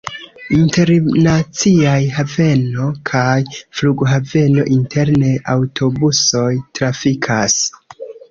Internaciaj haveno kaj flughaveno, interne aŭtobusoj trafikas.